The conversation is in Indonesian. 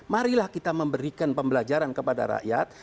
marilah kita memberikan pembelajaran kepada rakyat